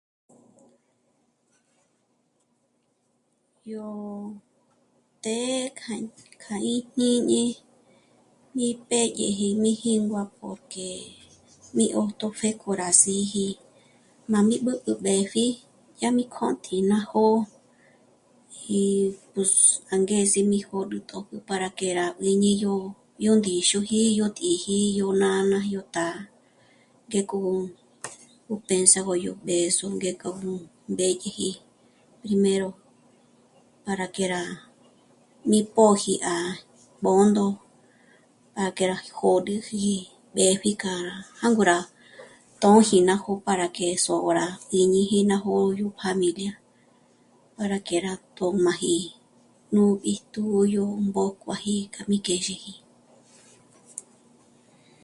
Yó të́'ë kja íjñíni mí pèdyeji mí jíngua porque mí 'ṑjtjo pjéko k'o rá sîji, m'ájmí b'ëpjü mbèpji ná jó'o dyá mi kjṑtji'i ná jó'o y pus... angezi mí jö̌rü tòpjü para que rá juîñiji yó ndíxuji, yó tǐji, yó nána, yó tá'a ngéko ó têndzagö yó b'ëzo ngéko nú mbèdyeji primero para que rá mí pòji à Bṓndo para que rá jö̌rüji mbépji k'a jângo rá tôji ná jó'o para que sô'o rá 'íjñíji ná jó'o k'o yú pjamilia para que rá tjômaji'i nú bíjtu yó mbójkuaji k'a mí kjèzheji